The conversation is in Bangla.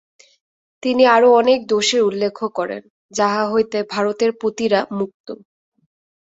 তিনি আরও অনেক দোষের উল্লেখ করেন, যাহা হইতে ভারতের পতিরা মুক্ত।